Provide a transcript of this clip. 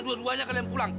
dua duanya kalian pulang